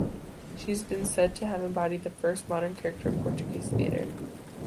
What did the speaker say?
She has been said to have embodied the first modern character in Portuguese theatre.